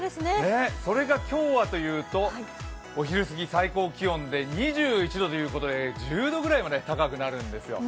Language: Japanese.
それが今日はというと、お昼すぎ、最高気温で２１度ということで１０度くらい高くなるんですよ。